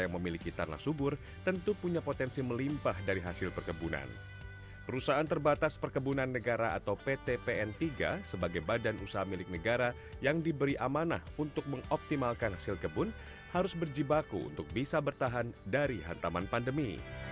maksimalkan hasil kebun harus berjibaku untuk bisa bertahan dari hantaman pandemi